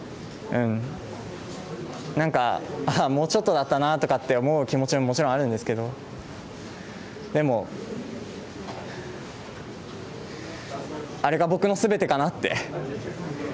もうちょっとだったなとか思う気持ちももちろんあるんですけどでも、あれが僕のすべてかなって。